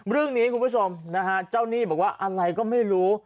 คุณผู้ชมนะฮะเจ้าหนี้บอกว่าอะไรก็ไม่รู้